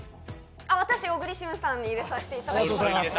私、小栗旬さんに入れさせていただきました。